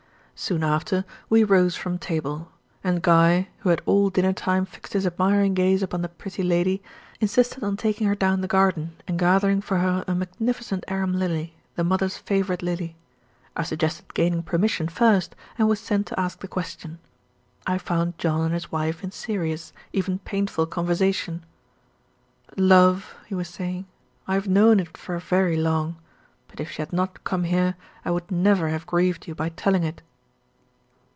Soon after we rose from table; and Guy, who had all dinner time fixed his admiring gaze upon the "pretty lady," insisted on taking her down the garden and gathering for her a magnificent arum lily, the mother's favourite lily. I suggested gaining permission first; and was sent to ask the question. I found John and his wife in serious, even painful conversation. "Love," he was saying, "I have known it for very long; but if she had not come here, I would never have grieved you by telling it."